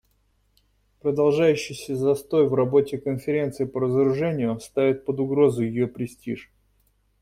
Продолжающийся застой в работе Конференции по разоружению ставит под угрозу ее престиж.